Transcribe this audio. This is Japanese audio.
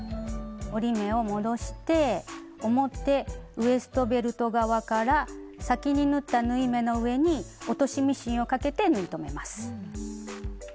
折り目を戻して表ウエストベルト側から先に縫った縫い目の上に落としミシンをかけて縫い留めます。